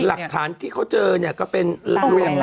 หลักฐานที่เขาเจอนี่ก็เป็นสาเหมือนมีไข